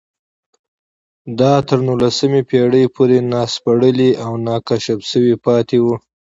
دا تر نولسمې پېړۍ پورې ناسپړلي او ناکشف شوي پاتې وو